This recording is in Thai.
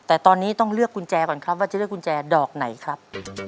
แต่ตอนนี้ต้องเลือกกุญแจก่อนครับว่าจะเลือกกุญแจดอกไหนครับ